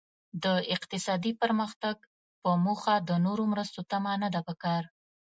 د اقتصادي پرمختګ په موخه د نورو مرستو تمه نده پکار.